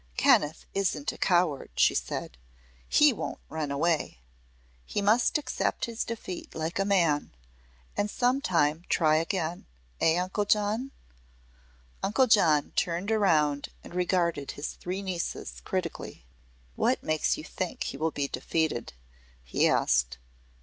"Kenneth isn't a coward," she said. "He won't run away. He must accept his defeat like a man, and some time try again. Eh, Uncle John?" Uncle John turned around and regarded his three nieces critically. "What makes you think he will be defeated?" he asked.